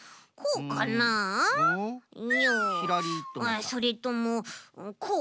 あっそれともこう？